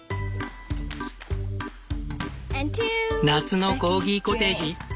夏のコーギコテージ。